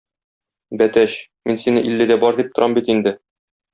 Бәтәч, мин сине илледә бар дип торам бит инде!